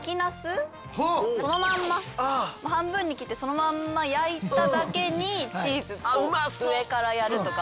そのまんま半分に切ってそのまんま焼いただけにチーズを上からやるとか。